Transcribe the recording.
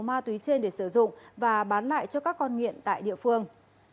ma túy trên để sử dụng và bán lại cho các con nghiện tại địa phương